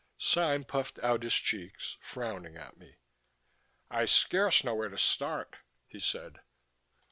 Sime puffed out his cheeks, frowning at me. "I scarce know where to start," he said.